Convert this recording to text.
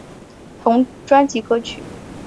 同专辑歌曲。